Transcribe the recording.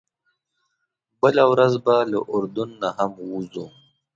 بله ورځ به له اردن نه هم ووځو.